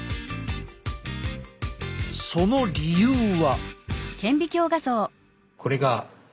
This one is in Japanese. その理由は。